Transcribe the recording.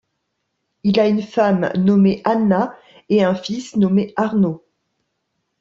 Il a une femme nommée Anna et un fils nommé Arno.